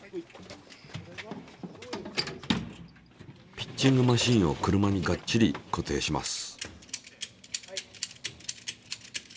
ピッチングマシンを車にがっちり固定します。